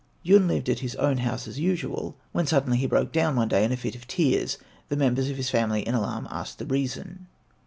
Yun lived at his own house as usual, when suddenly he broke down one day in a fit of tears. The members of his family in alarm asked the reason.